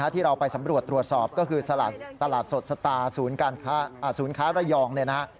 ที่เราไปสำรวจตรวจสอบก็คือตลาดสดสตาฯศูนย์ข้าวระยอง